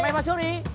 mày vào trước đi